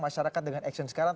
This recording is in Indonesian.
masyarakat dengan action sekarang